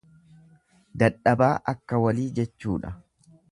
Dadhabaa akka walii jechuudha.